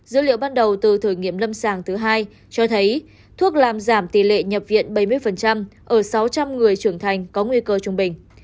dữ liệu ban đầu từ thử nghiệm lâm sàng thứ hai cho thấy thuốc làm giảm tỷ lệ nhập viện bảy mươi ở sáu trăm linh người trưởng thành có nguy cơ trung bình